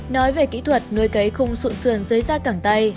nói về kỹ thuật nuôi cây khung sụn sườn dưới da cẳng tay